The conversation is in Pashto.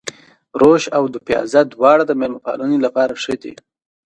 روش او دوپيازه دواړه د مېلمه پالنې لپاره ښه دي.